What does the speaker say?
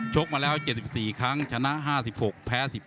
กมาแล้ว๗๔ครั้งชนะ๕๖แพ้๑๕